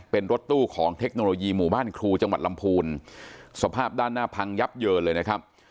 เป็นรถตู้ของเทคโนโลยีหมู่บ้านครูจังหวัดลำพูนสภาพด้านหน้าพังยับเยินเลยนะครับ